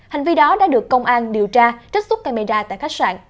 hành vi đó đã được công an điều tra trích xuất camera tại khách sạn